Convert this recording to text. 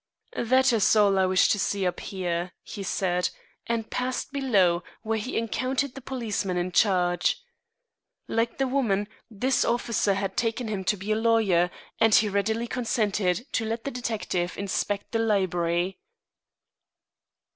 "That is all I wish to see up here," he said, and passed below, where he encountered the policeman in charge. Like the woman, this officer had taken him to be a lawyer, and he readily consented to let the detective inspect the library.